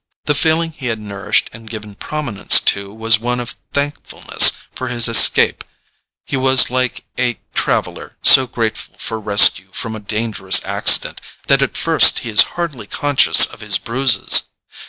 The feeling he had nourished and given prominence to was one of thankfulness for his escape: he was like a traveller so grateful for rescue from a dangerous accident that at first he is hardly conscious of his bruises.